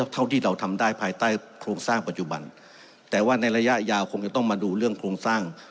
เท่าที่เราทำได้ภายใต้โครงสร้างปัจจุบันแต่ว่าในระยะยาวคงจะต้องมาดูเรื่องโครงสร้าง